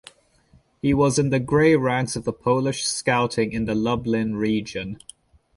He was in the Gray Ranks of Polish Scouting in the Lublin region.